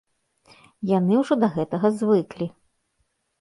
Яны ўжо да гэтага звыклі.